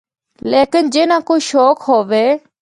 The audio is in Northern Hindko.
لیکن جنّا کو شوق ہوّے۔